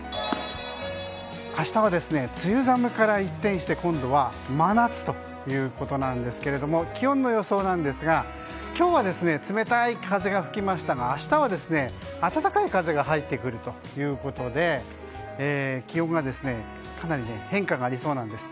明日は梅雨寒から一転して今度は真夏ということなんですけれども気温の予想ですが今日は、冷たい風が吹きましたが明日は暖かい風が入ってくるということで気温がかなり変化がありそうなんです。